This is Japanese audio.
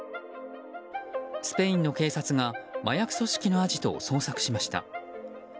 スペインの警察が麻薬組織のアジトを捜索しました。